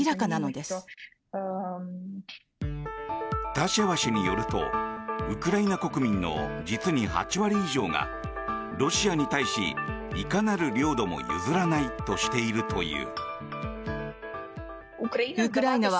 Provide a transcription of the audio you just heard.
タシェワ氏によるとウクライナ国民の実に８割以上がロシアに対し、いかなる領土も譲らないとしているという。